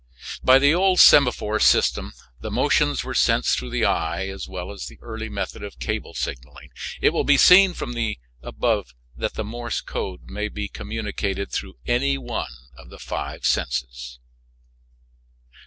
By the old semaphore system the motions were sensed through the eye as well as the early method of cable signaling. It will be seen from the above that the Morse code may be communicated through any one of the five senses.